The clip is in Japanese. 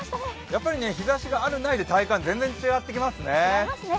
やっぱり日ざしがあるないで体感違ってきますね。